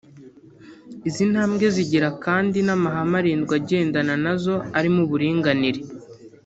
Izi ntambwe zigira kandi n’amahame arindwi agendana na zo arimo uburinganire